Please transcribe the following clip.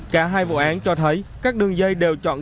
cả hai vụ án cho thấy các đường dây đều chọn